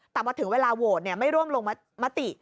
แต่พอถึงเวลาโหวตไม่ร่วมลงมติ